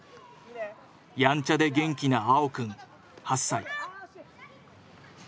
やんちゃで元気な青くん８歳。